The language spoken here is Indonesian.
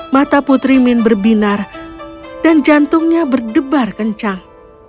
mata putri min berbinar dan jantungnya berdebar kencang